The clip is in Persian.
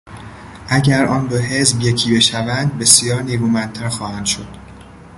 اگر آن دو حزب یکی بشوند بسیار نیرومندتر خواهند شد.